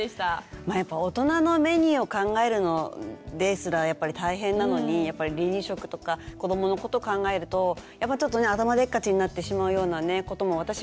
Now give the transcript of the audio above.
まあやっぱ大人のメニューを考えるのですらやっぱり大変なのにやっぱり離乳食とか子どものこと考えるとやっぱちょっとね頭でっかちになってしまうようなことも私もありましたけど。